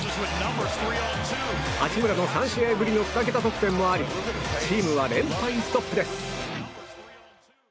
八村の３試合ぶりの２桁得点もありチームは連敗ストップです。